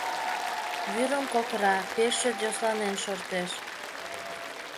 Вӱрым кокыра, пеш чот йӧсланен шортеш.